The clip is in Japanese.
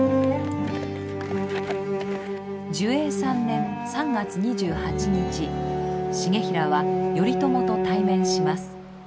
寿永３年３月２８日重衡は頼朝と対面します。